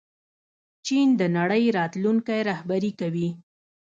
چین د نړۍ راتلونکی رهبري کوي.